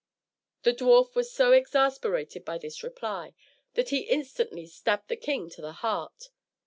The dwarf was so exasperated by this reply, that he instantly stabbed the king to the heart.